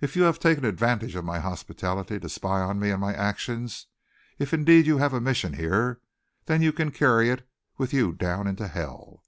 If you have taken advantage of my hospitality to spy upon me and my actions, if indeed you have a mission here, then you can carry it with you down into hell!"